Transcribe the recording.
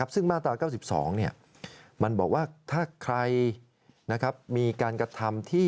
ซึ่งมาตรา๙๒มันบอกว่าถ้าใครมีการกระทำที่